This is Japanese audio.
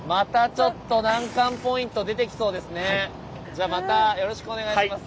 じゃあまたよろしくお願いします。